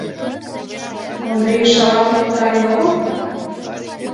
Ондрий шалатыл пытарен огыл?